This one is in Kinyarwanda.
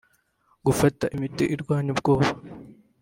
Gufata imiti irwanya ubwoba